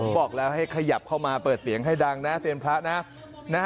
บอกแล้วให้ขยับเข้ามาเปิดเสียงให้ดังนะเซียนพระนะ